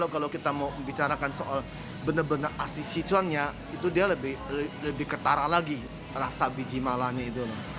kalau kita mau bicarakan soal benar benar asli sichuannya itu dia lebih ketara lagi rasa biji malanya itu